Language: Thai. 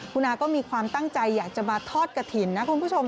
คุณอาก็มีความตั้งใจอยากจะมาทอดกระถิ่นนะคุณผู้ชม